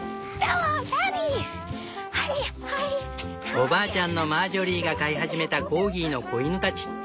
おばあちゃんのマージョリーが飼い始めたコーギーの子犬たち。